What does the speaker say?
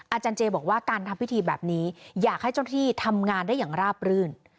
อาจารย์เจบอกว่าการทำพิธีแบบนี้อยากให้เจ้าที่ทำงานได้อย่างราบรื่น